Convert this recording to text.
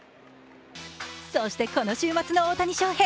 そしてこの週末の大谷翔平。